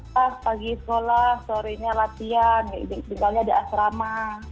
pas pagi sekolah sore nya latihan tinggalnya di asrama